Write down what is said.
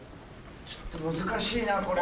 ちょっと難しいなこれは。